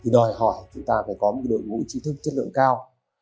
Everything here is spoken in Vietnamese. đòi hỏi chúng ta phải có một đội ngũ trí thức chất lượng cao